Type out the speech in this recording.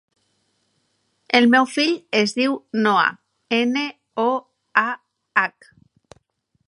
El meu fill es diu Noah: ena, o, a, hac.